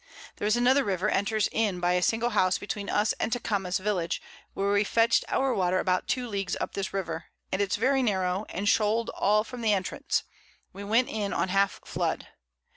There is another River enters in by a single House between us and Tecames Village, where we fetch'd our Water about 2 Leagues up this River; and it's very narrow, and shoal'd all from the Entrance; we went in on half Flood.